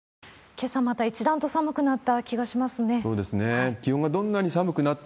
けさ、また一段と寒くなった気がしますね。